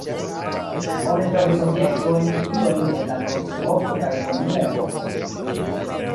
Oni trovis objektojn, ilojn el la bronzepoko kaj romia epoko.